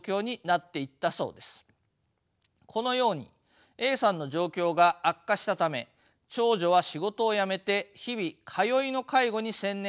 このようにＡさんの状況が悪化したため長女は仕事を辞めて日々通いの介護に専念することを決断したそうです。